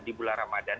di bulan ramadan